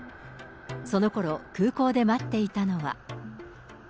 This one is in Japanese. そのころ空港で待っていたのは。